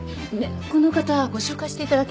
この方ご紹介していただけます？